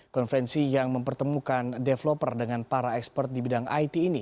konferensi yang mempertemukan developer dengan para expert di bidang it ini